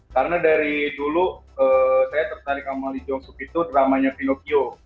karena dari dulu saya tertarik sama lee jong suk itu dramanya pinocchio